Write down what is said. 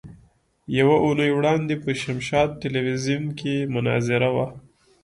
يوه اونۍ وړاندې په شمشاد ټلوېزيون کې مناظره وه.